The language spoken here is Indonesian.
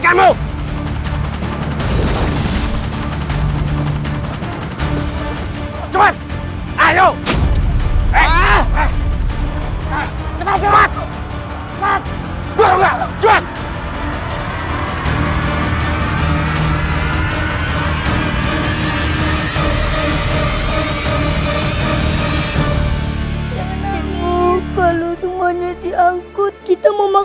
kanda tidak bisa menghadapi rai kenterimanik